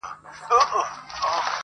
په دې دنيا کي ګوزاره وه ښه دى تېره سوله,